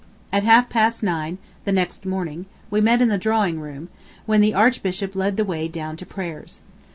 ... At half past nine the [next morning] we met in the drawing room, when the Archbishop led the way down to prayers.